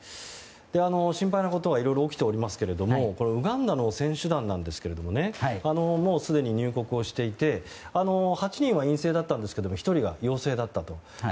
心配なことが色々起きておりますがウガンダの選手団なんですがもうすでに入国をしていて８人は陰性だったんですけれども１人が陽性だったと。